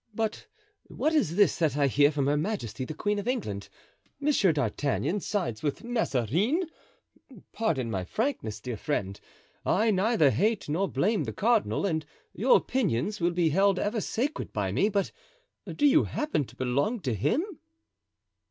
But what is this that I hear from Her Majesty the Queen of England? Monsieur d'Artagnan sides with Mazarin! Pardon my frankness, dear friend. I neither hate nor blame the cardinal, and your opinions will be held ever sacred by me. But do you happen to belong to him?"